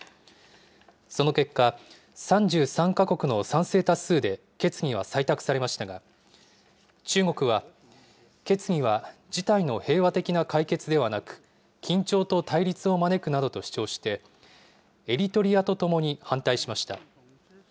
その結果、３３か国の賛成多数で決議は採択されましたが、中国は決議は事態の平和的な解決ではなく、緊張と対立を招くなどと主張して、エリトリアとともに反対しました。